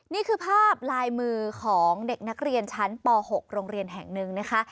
นี่คือภาพลายมือของเด็กนักเรียนชั้นป๖โรงเรียนแห่งหนึ่งนะคะ